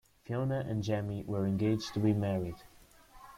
Fiona and Jamie were engaged to be married.